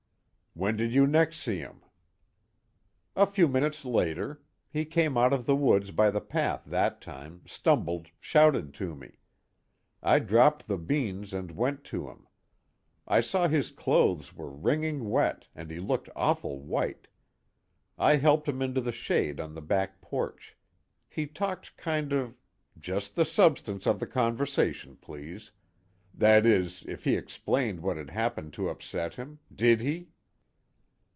"When did you next see him?" "A few minutes later. He came out of the woods, by the path that time, stumbled, shouted to me. I dropped the beans and went to him. I saw his clothes were wringin' wet, and he looked awful white. I helped him into the shade on the back porch. He talked kind of " "Just the substance of the conversation, please. That is, if he explained what had happened to upset him did he?"